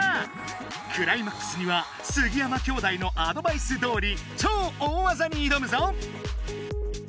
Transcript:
クライマックスには杉山兄弟のアドバイスどおり超大技にいどむぞ！